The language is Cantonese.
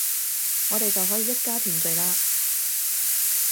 我哋就可以一家團聚喇